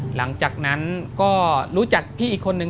หลังจากนั้นก็รู้จักพี่อีกคนนึง